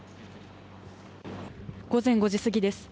午前５時過ぎです。